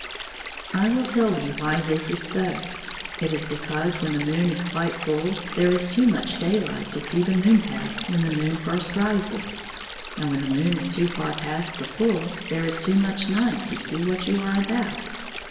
I will tell you why this is so. It is because, when the moon is quite full, there is too much daylight to see the moon path when the moon first rises. And when the moon is too far past the full, there is too much night to see what you are about.